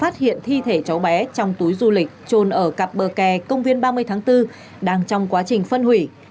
thi thể cháu bé trong túi du lịch trồn ở cặp bờ kè công viên ba mươi tháng bốn đang trong quá trình phân hủy